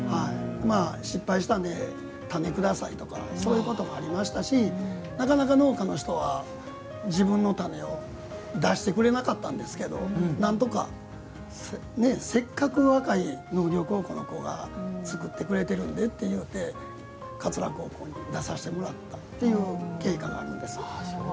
失敗した種くださいとかそういうこともありましたしなかなか農家の人は自分の種を出してくれなかったんですけどなんとかせっかく若い農業高校の子が作ってくれてるんでっていうて桂高校に出させてもらったっていう経過があるんです。